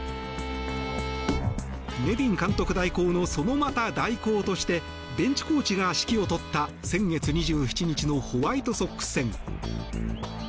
ネビン監督代行のそのまた代行としてベンチコーチが指揮を執った先月２７日のホワイトソックス戦。